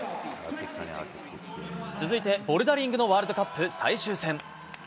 続いてボルダリングのワールドカップ最終戦。